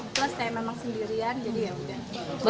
plus kayak memang sendirian jadi yaudah